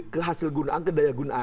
kehasil gunaan kedaya gunaan